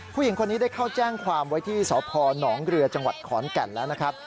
ผู้หญิงคนนี้ได้เข้าแจ้งความไว้ที่สพนเรือจังหวัดขอนแก่นแล้วนะครับ